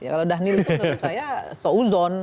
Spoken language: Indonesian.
kalau dhanil itu menurut saya seuzon